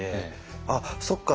あっそっかと。